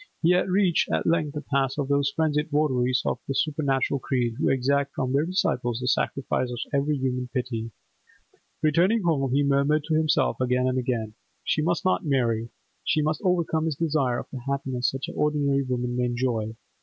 He had reached at length the pass of those frenzied votaries of a supernatural creed who exact from their disciples the sacrifice of every human piety. Returning home, he murmured to himself again and again, 'She must not marry. She must overcome this desire of a happiness such as ordinary women may enjoy.